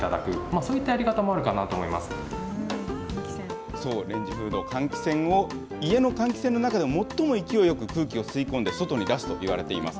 こんなふうに並んでいるときは、そう、レンジフード、換気扇を、家の換気扇の中でも最も勢いよく空気を吸い込んで外に出すといわれています。